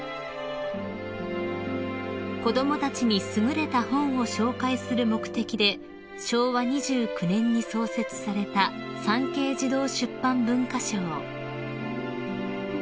［子供たちに優れた本を紹介する目的で昭和２９年に創設された産経児童出版文化賞］